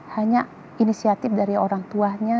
hanya inisiatif dari orang tuanya